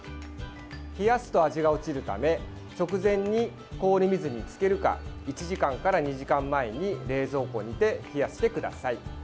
冷やすと味が落ちるため直前に氷水につけるか１時間から２時間前に冷蔵庫にて冷やしてください。